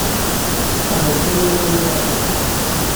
Ahawt ad nurar urar-a.